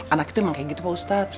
anak itu memang kayak gitu pak ustadz